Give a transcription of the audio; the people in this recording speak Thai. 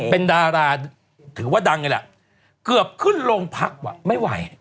เป็นดาราถือว่าดังเลยแหละเกือบขึ้นโรงพักว่ะไม่ไหว